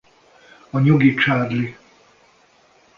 A Nyugi Charlie!